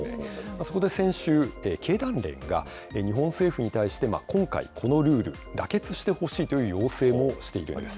そこで先週、経団連が日本政府に対して、今回、このルール、妥結してほしいという要請もしているんです。